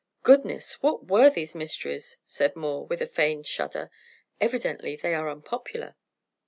"Goodness! What were these mysteries?" said Moore, with a feigned shudder. "Evidently, they are unpopular."